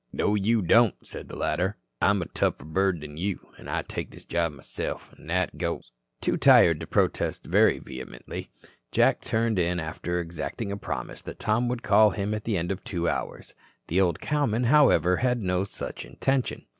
"No, you don't," said the latter. "I'm a tougher bird than you, and I take this job myself, an' that goes." Too tired to protest very vehemently, Jack turned in after exacting a promise that Tom would call him at the end of two hours. The old cowman, however, had no such intention.